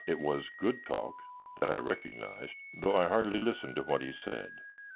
It was good talk; that I recognized, though I hardly listened to what he said.